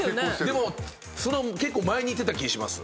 でも結構前に行ってた気します。